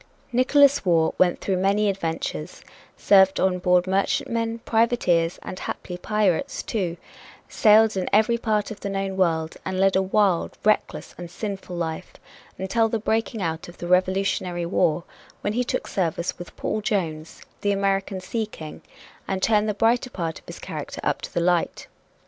Nickolas Waugh went through many adventures, served on board merchantmen, privateers and haply pirates, too, sailed to every part of the known world, and led a wild, reckless and sinful life, until the breaking out of the Revolutionary War, when he took service with Paul Jones, the American Sea King, and turned the brighter part of his character up to the light.